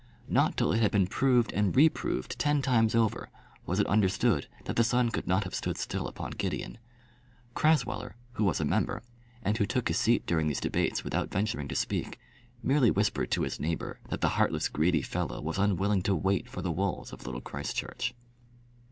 Not till it had been proved and re proved ten times over, was it understood that the sun could not have stood still upon Gideon. Crasweller, who was a member, and who took his seat during these debates without venturing to speak, merely whispered to his neighbour that the heartless greedy fellow was unwilling to wait for the wools of Little Christchurch.